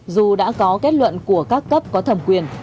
dù đã có kết luận của các cấp có thẩm quyền